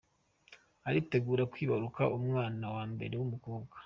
aritegura kwibaruka umwana wa mbere w’umukobwa